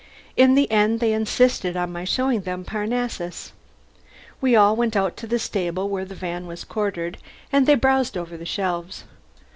In the end they insisted on my showing them Parnassus. We all went out to the stable, where the van was quartered, and they browsed over the shelves.